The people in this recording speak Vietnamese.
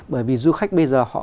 bởi vì du khách bây giờ họ